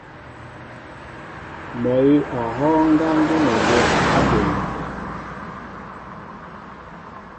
Mɔ awʉ̌ a hɔ́ɔ́ŋ ŋgá ŋgʉ́əŋgeŋ á bə mi.